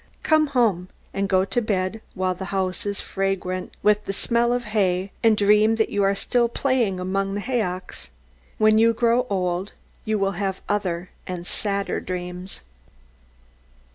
Come home, and go to bed while the house is fragrant with the smell of hay, and dream that you are still playing among the haycocks. When you grow old, you will have other and sadder dreams.